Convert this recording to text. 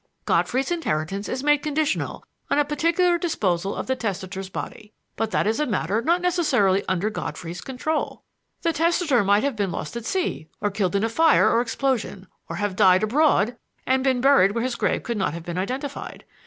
Godfrey's inheritance is made conditional on a particular disposal of the testator's body. But this is a matter not necessarily under Godfrey's control. The testator might have been lost at sea, or killed in a fire or explosion, or have died abroad and been buried where his grave could not have been identified.